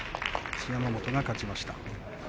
一山本が勝ちました。